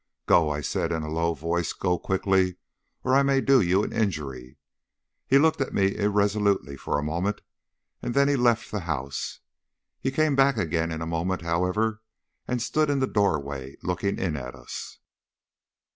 "Go," I said, in a low voice; "go quick, or I may do you an injury." He looked at me irresolutely for a moment, and then he left the house. He came back again in a moment, however, and stood in the doorway looking in at us.